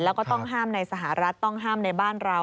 แล้วก็ต้องห้ามในสหรัฐต้องห้ามในบ้านเรา